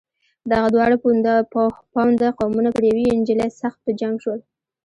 دغه دواړه پوونده قومونه پر یوې نجلۍ سخت په جنګ شول.